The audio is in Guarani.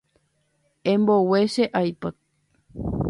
Embogue che ipod.